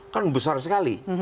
kan besar sekali